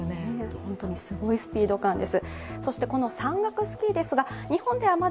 本当にすごいスピード感です。